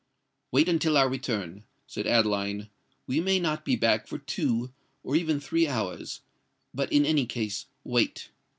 "Wait until our return," said Adeline: "we may not be back for two, or even three hours;—but in any case wait."